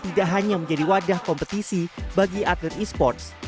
tidak hanya menjadi wadah kompetisi bagi atlet esports